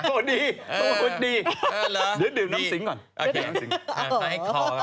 เขาดี